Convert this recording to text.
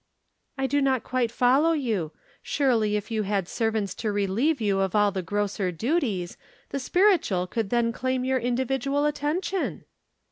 "I do not quite follow you. Surely if you had servants to relieve you of all the grosser duties, the spiritual could then claim your individual attention."